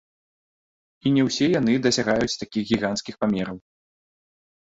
І не ўсе яны дасягаюць такіх гіганцкіх памераў.